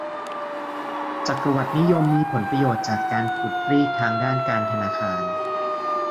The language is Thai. จักรวรรดินิยมมีผลประโยชน์จากการขูดรีดทางด้านการธนาคาร